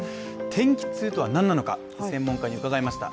天気痛とは何なのか専門家に伺いました。